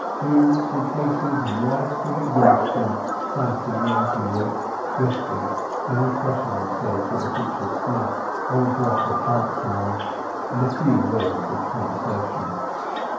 Jews with faces white from exhaustion sat in the anteroom resting and refreshing themselves with a pinch of snuff, or a drop of hartshorn, and a few words of conversation.